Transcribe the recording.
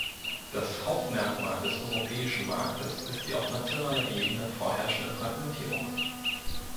Das Hauptmerkmal des europäischen Marktes ist die auf nationaler Ebene vorherrschende Fragmentierung.